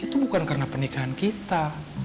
itu bukan karena pernikahan kita